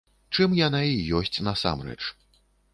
Чым яна і ёсць насамрэч.